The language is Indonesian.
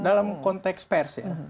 dalam konteks pers ya